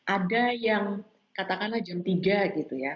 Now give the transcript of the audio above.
ada yang katakanlah jam tiga gitu ya